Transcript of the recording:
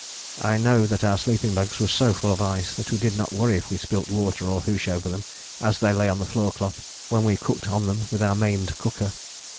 I know that our sleeping bags were so full of ice that we did not worry if we spilt water or hoosh over them as they lay on the floor cloth, when we cooked on them with our maimed cooker.